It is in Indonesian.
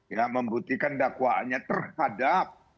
ya membuktikan dakwaannya terhadap